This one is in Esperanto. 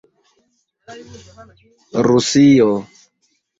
rusio